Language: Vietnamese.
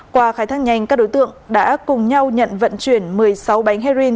qua khai thác nhanh các đối tượng đã cùng nhau nhận vận chuyển một mươi sáu bánh heroin